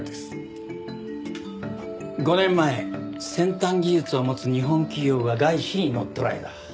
５年前先端技術を持つ日本企業が外資に乗っ取られた。